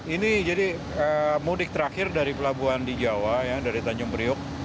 ini jadi mudik terakhir dari pelabuhan di jawa ya dari tanjung priuk